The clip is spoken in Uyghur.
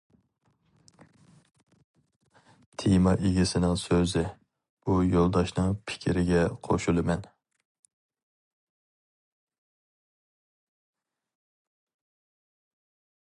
تېما ئىگىسىنىڭ سۆزى : بۇ يولداشنىڭ پىكرىگە قوشۇلىمەن!